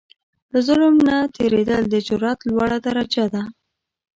له ظلم نه تېرېدل، د جرئت لوړه درجه ده.